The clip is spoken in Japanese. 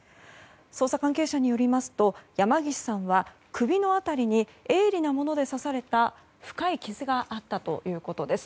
捜査関係者によりますと山岸さんは首の辺りに鋭利なもので刺された深い傷があったということです。